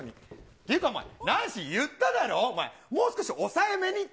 というか、お前、ナンシー、言っただろ、お前、もう少し抑えめにって。